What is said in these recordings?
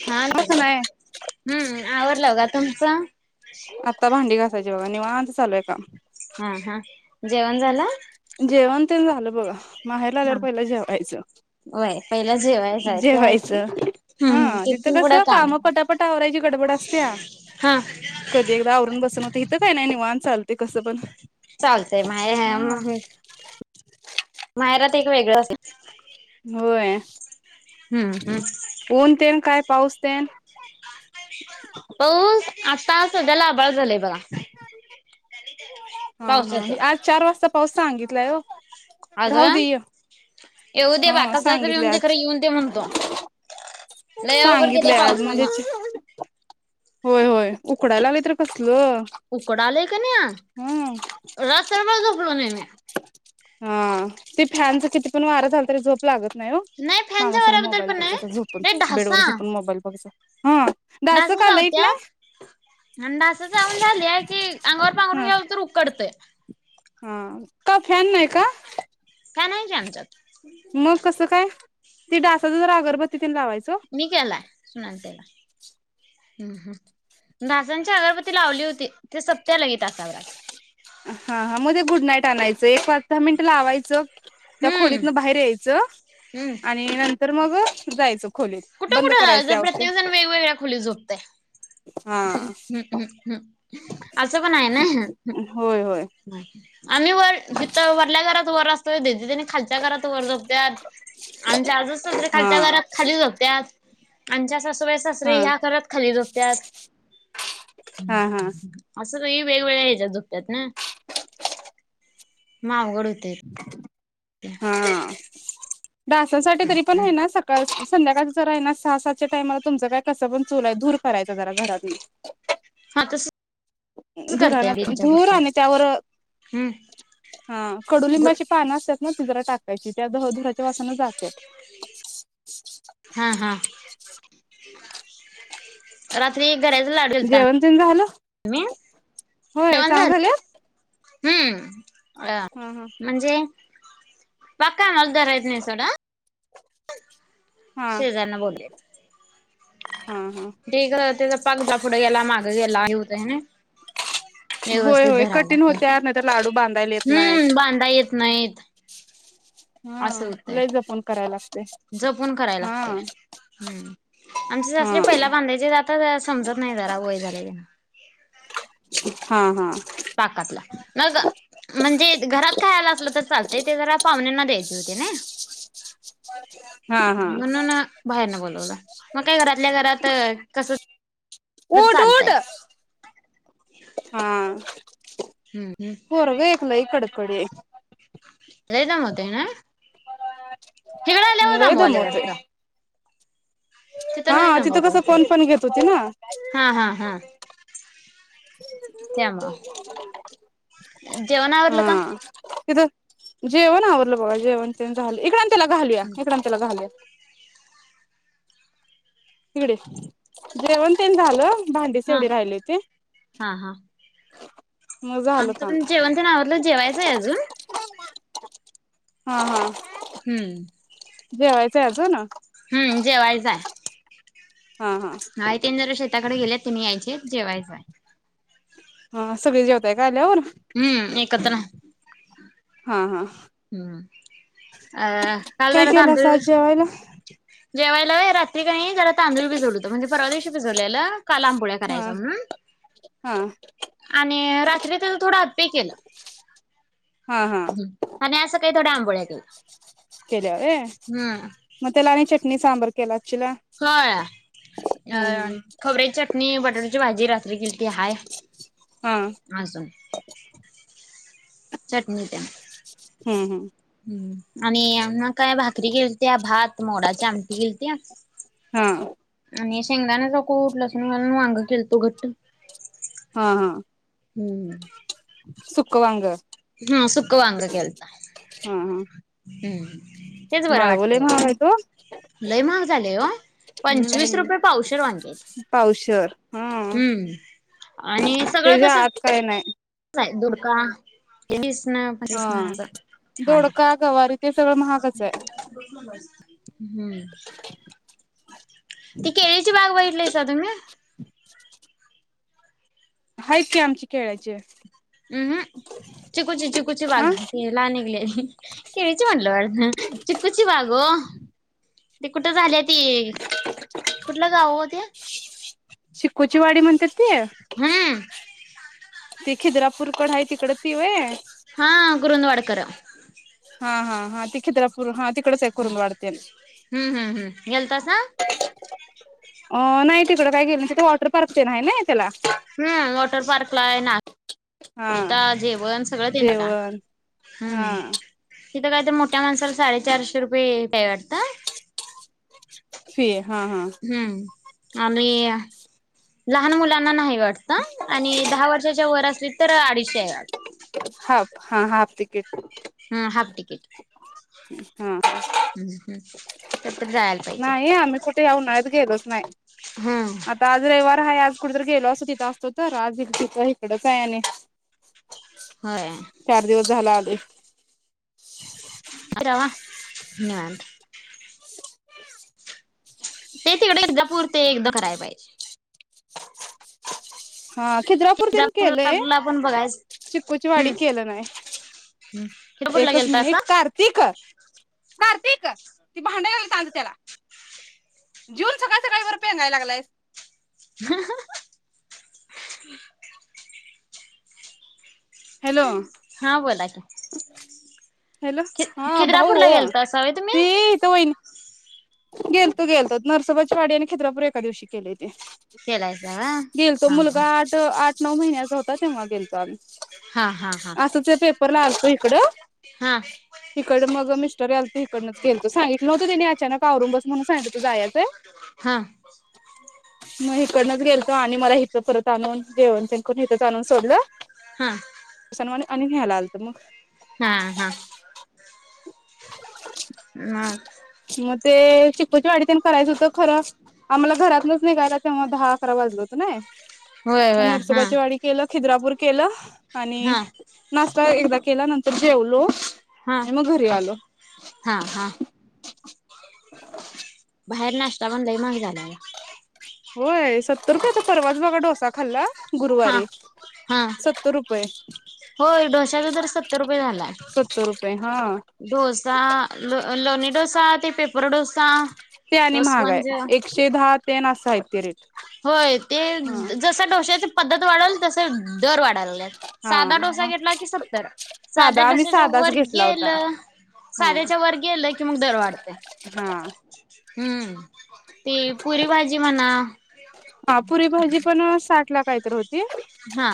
हा असं नाही हम्म आवरल बघा तुमचं. आता भांडी घासायची बघा निवांत चालूय काम. हा हा जेवण झालं. जेवण तेन झालं बघा. माहेर ला आल्यावर पहिलं जेवायचं व्हय पहिला जेवायचं आहे ते आहे की जेवायचं. हा हम्म तिथं तिथून पुढं कसं काम पटापट आवरायची गडबड असतीया. हा. कधी एकदा आवरून बसन होतय इथं काय नाही निवांत चालतय कसं पण. चालतय [unintelligible] हा माहेरात एक वेगळं अस होय. हम्म हम्म. उन तेन काय पाऊस तेन.? पाऊस आताला आभाळ झालंय बघा. हा हा पावसाचं आज चार वाजता पाऊस सांगितलाय ओ. आज व्हय येऊ दे हा कसा तर येऊ सांगितलंय दे खर आज येऊ दे. म्हणतो लय अवघड केलेय सांगितलंय आज म्हणजे पावसान. होय होय उकडायला लागले तर कसलं. उकडालेकन ह आ रस्त दुखडव देने हा ते फॅनच किती पण वारा झाल तरी झोप लागत नाही हो नाही मामा फॅनच्या सग वाऱ्याबद्दल मोबाईल पण बघ जा नाही झोपून लय बेड वर झोपून मोबाईल बघ जा. डास चावत्यात. अन डास चाऊन झालं की अंगावर पांघरून ह घ्याव तर उकडतंय. हा का फॅन नाही का? फॅन हाय की आमच्याात. मग कसं काय ते डासाच जरा अगरबत्ती तेन लावायचं ओ. मी केलाय सुनाताई ला. हम् हम डासांची अगरबत्ती लावली होती ते सपत्या लगेच तासाभरात. हा हा मध्ये गुड नाईट आणायचं एक पाच दहा मिनिट लावायचं त्या हम्म खोलीतन बाहेर यायचं हम्म. आणि नंतर मग जायचं. खोलीत कुठं बंद कुठं करायच ते लावायचं औषध प्रत्येक जण वेगवेगळ्या खोलीत झोपतय. हा ह् हम्म हम्म हम् असं पण हाय ना. होय होय आम्ही वर हीथं वरल्या घरात वर असतो दीदी त्यांनी खाल् घरात वर झोपत्याात, आमच्या आजे सासरे हा खालच्या घरात खाली झोपत्याात. आमच्या सासुबाई हा सासरे ह्या घरात खालीच झोपत्यात. हा हा असं काही वेगवेगळ्या ह्याच्या झोपत्यात ना. मग अवघड होतय. ते हा डासासाठी तरी पण आहे ना सका का संध्याकाळ जरा आहे ना सहा सातच्या टाइमाला तुमचं काय कसं पण चूल आहे धूर करायचं जरा घरातील हा तस धुरान धुर आणि त्यावर हम्म हा कडुलिंबाची पान असतात ना ति, जरा टाकायची त्या धुराच्या वासानं जात्यात. हा हा. रात्री [unintelligible] जेवण तेन झाल? मी जेवण झालं. हुं. अ हा म्हणजे पक्का हात धराय येत नाही सोडा. [inaudible] हा हा सेजार ना बोलले. हा हा ढीग त्याचा पाग जा पुढे गेला, मागं गेला होतय ना. होय व्यवस्थित होय धरायला कठीण लागत होत्यात नाही तर लाडू बांधायला येत नाहीत हुं, बांधाय येत नाहीत. हा असं होतय लई जपून कराय लागतय. जपून कराय हा लागतय. हम्म आमचे सासरे हा पहिला बांधायचेत, आता जरा समजत नाही जरा वय झालयतेन. हा हा. पाकातला मग म्हणजे घरात खायला असलं तर चालतय, ते जरा पाहुण्यांना द्यायचे होते नाही. हा हा म्हणून बाहेरन बोलवलं, मग काय घरातल्या घरात कस ऊठ ऊठ हा. हूम. पोरग एक लई कडकडी हाय. लई दमवतय ना? हिकडं आल्यावर लई दमवालंय दमवतोय. वाटतं हा नाही तिथं दमवत कसं, वाटतं कोन पण घेत होती ना हा, हा, हा. त्यामुळं, जेवण आवरलं का? हे धर, जेवण आवरलं बघा, जेवण तेन झालं. इकड आण त्याला घालूया, इकड आण त्याला घालूया. इकडं ये जेवणतेन झालं. भांडीचं हा तेवढी राहिली होती. आमच पण जेवणतेन आवरलं, जेवायचंय आजून. हा, हा. हूम्म. जेवायच हाय आजून? हम्म जेवायचं हाय. हा, हा. नाही तेनी जरा शेताकड गेल्यात, तेनी यायचे आहेत जेवायचं हाय. हा सगळे जेवताय काय आल्यावर? हुं. एकत्र. हा, हा. हुं. म अ काल काय जरा केलास आज अमच्याकड. जेवायला जेवायला होय, रात्री कनी जरा तांदूळ भिजवल होतो म्हणजे परवा दिवशी भिजवल्याल काल आंबोळ्या हा करायच्या म्हणून हा. आणि रात्री तेज थोडं आप्पे केलं हा हा आणि आज सकाळी थोडया आंबोळ्या केल्या. केल्या व्हय, हम्म म तेला आणि चटणी, सांबार केला आच्छीला? होय अ खोबऱ्याची चटणी, बटाटूची भाजी रात्री केलंती हाय. हा. आजून, चटणी द्या. ह्म. ह्म. हम्. आणि मंग काय भाकरी केलत्या, भात, मोडाची आमटी केलत्या. ह अ. आणि शेंगदाण्याचा कुट, लसूण घालून वांग केलतो घट्ट. हा. हा. हम्. हम्. सुकं वांग ह्म सुकंवांग केलता. हा हम्म्. तेच बरं माळवलय वाटतंया. महाग हाय तो लई महाग झालय ओ. पंचवीस हम्म रुपये पावशेर वांगी आहेत. पावशेर हम्म. तेज्या आत काय नाही. काय दुडका, [unintelligible] हा. असं हाय दोडका, गवारी ते सगळं महागचय. हम्म [unintelligible] ती केळीची बाग बघीतलीसा तुम्ही. हायत की आमची केळाची उं हुं. चिकुच चिकुची बाग. हा लाल निघलेली केळीची म्हणलं. चींकूची बाग ओ. ते कुठं झाल्या ती, कुठलं गाव ओ ते. चिंकूची वाडी म्हणत्यात ती. हम्म ती खिद्रापूर कड हाय तिकडं ती वय. हा. कुरुंदवाडकर. हा हा हा ती खद्रापूर हा ती. ह्म ह्म ह्म गेलतासा. अ.. नाई तिकडं काय गेलं नाई, तिथं वॉटर पार्क तें न हाय नाई त्याला. हम् वॉटर पार्क ला येणार. हा ष्टा, जेवण सगळं देणार का? जेवण हा ह्म. तिथं काय तर मोठ्या माणसाला साडेचारशे रुपये हाय वाटतं. फी. हा हा. हम्म् आमी.. इ.. या लहान मुलांना नाही वाटत. आणि दहा वर्षाच्या वर असली तर आडीचशेय वाट हाप हा हाप तीकीट. हा हाप टिकीट. हा. उं हुं. [unintelligible] जायाला पायजे. ते ह्या उन्हाळ्यात गेलोच नाही. हम्म आता आज रविवार हाय आज कुठ तर गेलो आसंतो तिथं आसतो तर. आज तिथं हीकडचाय आणि होय. चार दिवस झालं आलोय. छ छ बारगवा. ह [inaudible] पॅन्ट. [unintelligible] ते तिकडे [unintelligible] ते एकदा करायला पाहिजे. हा खिद्रापूर [unintelligible] तेन केलंय पण बघायच चिक्कूची वाडी हम्. केलं नाही हम् [unintelligible] ला गेलता. नीट कार्तिक कार्तिक ती भांडी [unintelligible] त्याला, जिवून सगळ सकाळी वर पेंगायला लागलायसं. [unintelligible] हॅलो हा बोला की, हॅलो खि खिद्रापूरला गेलतासा होय तुम्ही? ते हिथ वहीनी गेलतो गेलोतो नरसोबाचीवाडी आणि खिद्रापूर एका दिवशी केलोय ते गेलायसा व्हय गेलतो हा मुलगा हा आठ आठ नऊ महिन्या होता तेव्हा गेलतो आम्ही हा हा हा असंच ते पेपरला आलतो हिकडं हा हिकडं मग मिस्टर यालती हिकडनंच गेलतो सांगितलं नव्हती तिने अचानक आवरून बस म्हणून सांगितलीत तू जायचय हा मग हिकडनच गेलतो आणि मला हिथं परत आणून जेवण तेन करून हिथच आणून सोडलं हा. आणि न्यायला आलत मग. हा हा मा मग ते चिकुची वाडी तेन करायचं हुतं खरं आम्हाला घरातनच निघायला तेव्हा दहा अकरा वाजल हुतं नाय होय मग होय हा नरसोबाची वाडी केलं खिद्रापूर केलं आणि हा नाश्ता एकदा केला नंतर जेवलो हा आणि मग घरी आलो हा हा. बाहेर नाश्ता पण लाई महाग झालाय. होय सत्तर रुपयाचा परवाच बघा डोसा खाल्ला हा गुरुवारी हा सत्तर रुपये. होय ढोश्याचा तर सत्तर रुपये झालाय. सत्तर रुपये हा डोसा लोणी डोसा ते पेपर डोसा ते त आणि महाग स्पंज आहे एकशे दहा तेन अस हाय ते रेट, होय ते हा जसा डोश्याची पद्धत वाढल तसे दर वाढ ल्यात. हा साधा डोसा मग घेतला की सत्तर साधा साध्या आम्ही डोस्याच्या साधाच वर घेतला गेल होता हा साध्याच्या वर गेलं कि मग दर वाढतय. हा हम्म ती पुरी भाजी म्हणा हा पुरी भाजी पण साठला काहीतर हो हा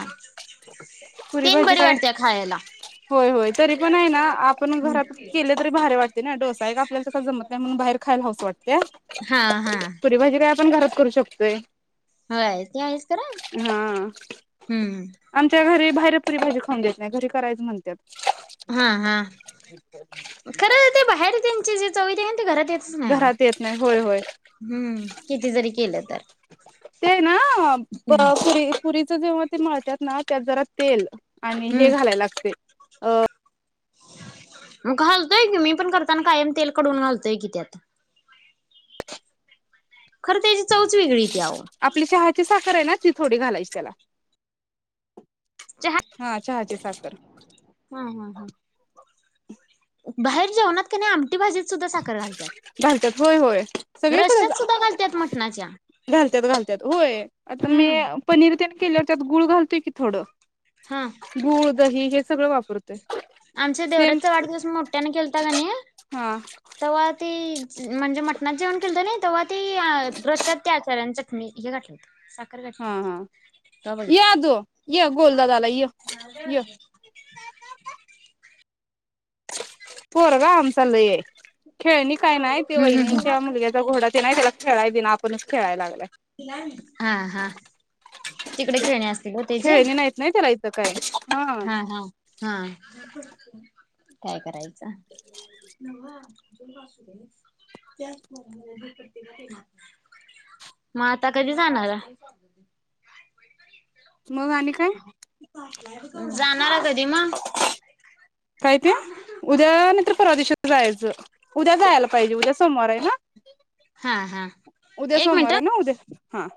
पुरी तीन भाजी बरी काय वाटत्या खायला. होय होय तरी पण आहे ना आपण घरात केल तरी भारी वाट तेना डोसा एक आपल्याला तसा जमत नाही म्हणून बाहेर खायला हाऊस वाटत्या हा हा पुरी भाजी काय आपण घरात करू शकतोय. होय ते आहेच खरा हा. हम्म आमच्या घरी बाहेर पुरी भाजी खाऊन देत नाही, घरी करायचं म्हणत्यात. हा हा खरं ते बाहेर त्यांचे जे चव येत्या कणी ती घरात येतच नाही ओ घरात येत नाही होय होय किती जरी केलं तर ते ना हम्म पुरी पुरीच जेव्हा ते मळतात ना त्यात जरा तेल आणि हे हम्म घालायला लागतय मग घालतोय की मी पण करताना कायम तेल कडवून घालतोय की त्यात. खरं त्याची चवच वेगळी येतीया अहो. आपली चहाची साखर आहे ना ती थोडी घालायचीच त्याला हा चहाची साखर हा हा हा. बाहेर जेवणात कनी आमटी, भाजीत सुद्धा साखर घालत्यात, घालतात होय होय सगळीकडेच रश्यात सुद्धा घालत्यात मटणाच्या घालत्यात घालत्यात होय, आता मी हम्म पनीर तेन केल्यावर त्यात गुळ घालतोय की थोडं हम्म गूळ दही हे सगळं वापरते. आमच्या देवराजचा वाढदिवस मोठ्याने केलता कनी हा तेव्हा ती म्हणजे मटणाच जेवण केलंत नई तेव्हा ती रश्यात त्या आचार्याने चटणी हे घातलेली. साखर हा घातली होती. हा, तवा य बघितलं आदू य गोलू दादा आलाय य पोरगा आमचा लई आहे. खेळणी काय नाही ते हम्म हम्म वहिनींच्या हम्म मुलग्याचा घोडा तेला नाही त्याला खेळाय दे ना आपणच खेळायला लागलाय. हा हा तिकडे खेळणी असतील ग तेजी? खेळणी नाहीत नाही तेला इथ काही. हा हा. हा काय करायचं त्या प्रत [unintelligible] मग आता कधी जाणारा? मग आणि काय? जाणार कधी मगं काय ते उद्या नंतर परवा च जायचं उद्या जायला पाहिजे उद्या सोमवार आहे ना? हा हा उद्या एक मिनिट सोमवार आहे ना उद्या हां.